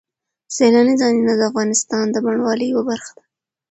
سیلاني ځایونه د افغانستان د بڼوالۍ یوه برخه ده.